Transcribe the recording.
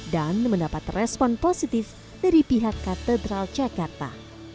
dan mendapat respon positif dari pihak katedral jakarta